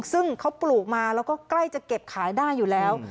ซึ่งเขาปลูกมาแล้วก็ใกล้จะเก็บขายได้อยู่แล้ว